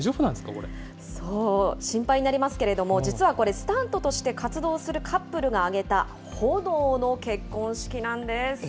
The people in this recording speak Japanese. そう、心配になりますけれども、実はこれ、スタントとして活動するカップルが挙げた炎の結婚式なんです。